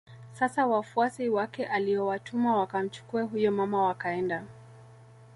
Sasa wafuasi wake aliowatuma wakamchukue huyo mama wakaenda